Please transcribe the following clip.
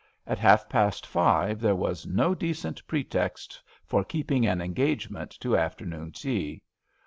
At half past five there was no decent pretext for keeping an engagement to afternoon tea.